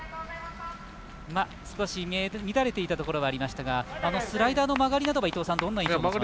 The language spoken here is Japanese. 少し乱れていたところがありましたがスライダーの曲がりなどはどんな印象とみますか？